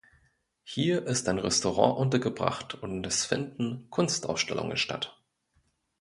Hier ist ein Restaurant untergebracht und es finden Kunstausstellungen statt.